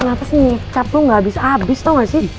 nates nyicap lo gak abis abis tau gak sih